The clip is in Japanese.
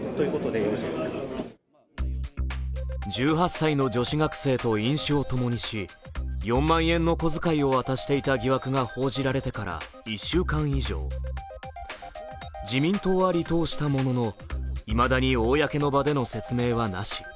１８歳の女子学生と飲酒を共にし、４万円のこづかいを渡していた疑惑が報じられてから１週間以上、自民党は離党したもののいまだに公の場での説明はなし。